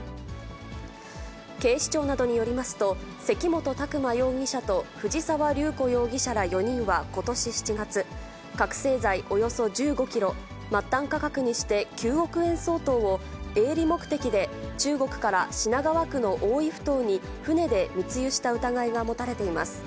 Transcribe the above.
警視庁などによりますと、関本琢磨容疑者と藤沢龍虎容疑者ら４人はことし７月、覚醒剤およそ１５キロ、末端価格にして９億円相当を、営利目的で中国から品川区の大井ふ頭に船で密輸した疑いが持たれています。